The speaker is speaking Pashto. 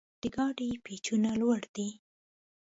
د ګاډي پېچونه لوړ دي.